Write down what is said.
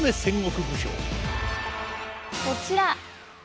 こちら。